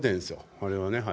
あれはね。